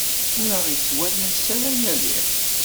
Ur aɣ-yettwanas ara yal iḍ.